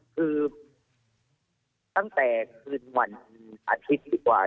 คือตั้งแต่คืนวันอาทิตย์ดีกว่า